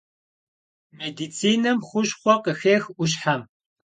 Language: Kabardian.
Медицинэм хущхъуэ къыхех ӏущхьэм.